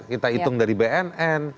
kita hitung dari bnn